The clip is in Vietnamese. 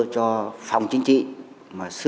công nhận đồng chí mấn